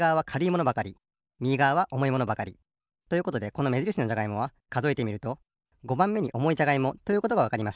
ものばかりみぎがわはおもいものばかり。ということでこのめじるしのじゃがいもはかぞえてみると５ばんめにおもいじゃがいもということがわかりました。